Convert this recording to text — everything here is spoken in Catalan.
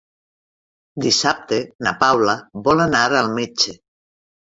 Dissabte na Paula vol anar al metge.